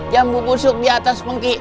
jambu busuk di atas